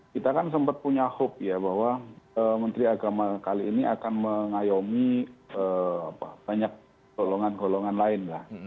kita kan sempat punya hope ya bahwa menteri agama kali ini akan mengayomi banyak golongan golongan lain lah